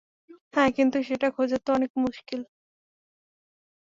হ্যাঁ কিন্তু, সেটা খোঁজা তো অনেক মুশকিল।